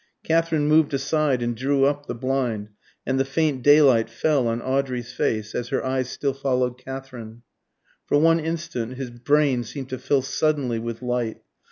Katherine moved aside and drew up the blind, and the faint daylight fell on Audrey's face, as her eyes still followed Katherine. For one instant his brain seemed to fill suddenly with light.